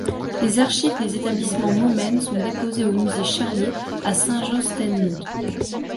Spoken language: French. Les archives des Établissements Mommen sont déposées au Musée Charlier à Saint-Josse-ten-Noode.